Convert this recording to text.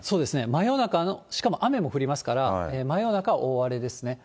真夜中の、しかも雨も降りますから、真夜中、大荒れですね。